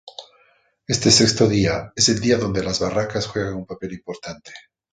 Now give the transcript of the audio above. Este sexto día es el día donde las barracas juegan un papel importante.